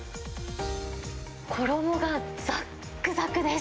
衣がざっくざくです。